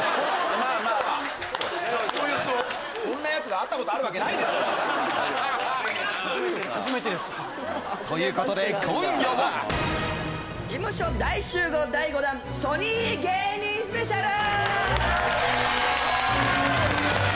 おおよそ初めてですということで今夜は事務所大集合第５弾ソニー芸人スペシャル